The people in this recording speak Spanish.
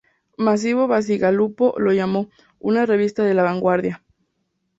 Massimo Bacigalupo lo llamó "una revista de la vanguardia".